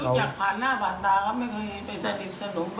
รู้จักผ่านหน้าผ่านตาครับไม่เคยไปใส่เด็กขนม